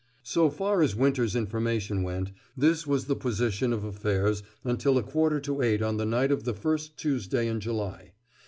So far as Winter's information went, this was the position of affairs until a quarter to eight on the night of the first Tuesday in July.